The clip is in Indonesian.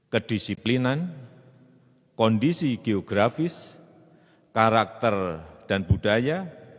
kedisiplinan kondisi geografis karakter dan budaya